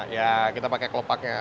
ya kita pakai kelopaknya